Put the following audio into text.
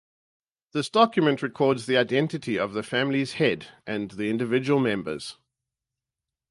This document records the identity of the family's head and the individual members.